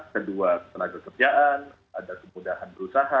kedua tenaga kerjaan ada kemudahan berusaha